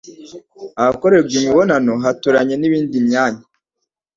ahakorerwa imibonano haturanye nibindi myanya